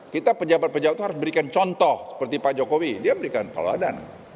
kita pejabat pejabat itu harus berikan contoh seperti pak jokowi dia berikan peladan